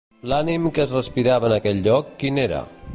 L'ànim que es respirava en aquell lloc, quin era?